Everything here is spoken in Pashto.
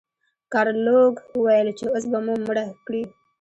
ګارلوک وویل چې اوس به مو مړه کړئ.